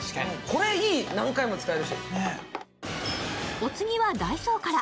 お次はダイソーから。